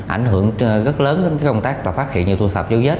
ảnh hưởng rất lớn đến công tác phát hiện và thu thập dấu vết